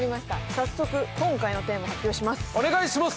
早速今回のテーマ発表します。